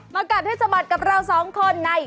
กัดให้สะบัดกับเราสองคนใน